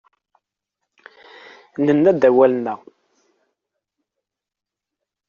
Nenna-d awal-nneɣ.